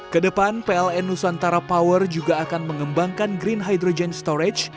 kedepan pln nusantara power juga akan mengembangkan green hydrogen storage